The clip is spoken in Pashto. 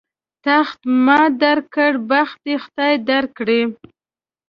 تخت ما در کړ، بخت دې خدای در کړي.